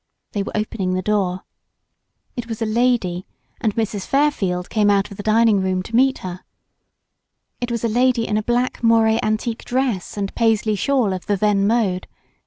They were opening the door. It was a lady, and Mrs. Fairfield came out of the dining room to meet her. It was a lady in a black moire antique dress and Paisley shawl of the then mode.